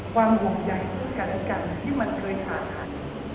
ความวงใหญ่ทุกการณ์กันที่มันเคยท้าย